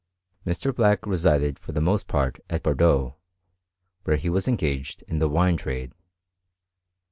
Mr. Black resided for the most part at Bordeaux, where he was engaged in the wine trade.